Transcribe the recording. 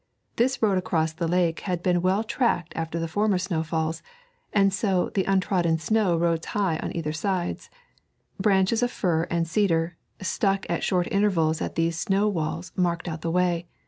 This road across the lake had been well tracked after former snowfalls, and so the untrodden snow rose high on either side; branches of fir and cedar, stuck at short intervals in these snow walls, marked out the way.